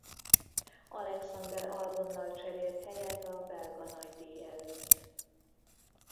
Alexander Albonnal cserélt helyet a belga nagydíj előtt.